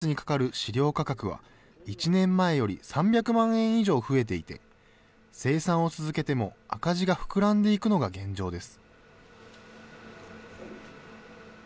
１か月にかかる飼料価格は１年前より３００万円以上増えていて、生産を続けても赤字が膨らんでいくのが現状です。